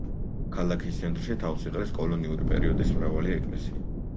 ქალაქის ცენტრში თავს იყრის კოლონიური პერიოდის მრავალი ეკლესია.